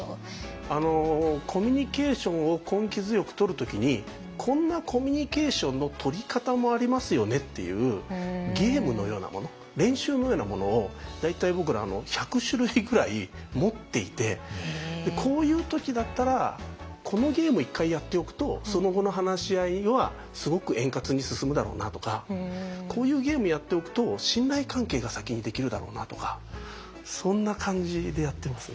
コミュニケーションを根気強くとる時にこんなコミュニケーションのとり方もありますよねっていうゲームのようなもの練習のようなものを大体僕ら１００種類ぐらい持っていてこういう時だったらこのゲーム一回やっておくとその後の話し合いはすごく円滑に進むだろうなとかこういうゲームやっておくと信頼関係が先にできるだろうなとかそんな感じでやってますね。